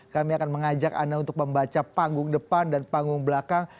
kami akan mengajak anda untuk membaca panggung depan dan panggung belakang